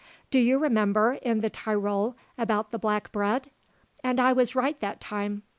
"Do you remember, in the Tyrol, about the black bread! And I was right that time.